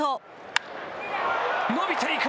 伸びていく。